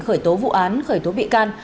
khởi tố vụ án khởi tố bị can